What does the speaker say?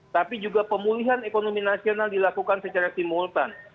tapi juga pemulihan ekonomi nasional dilakukan secara simultan